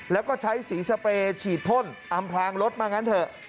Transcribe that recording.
แล้วก็ใช้สีสเปรย์ฉีดพ่นอำพลางรถมางั้นเถอะ